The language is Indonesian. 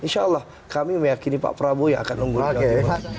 insya allah kami meyakini pak prabowo yang akan unggul di jawa timur